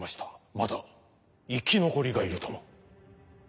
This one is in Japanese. まだ生き残りがいるとも。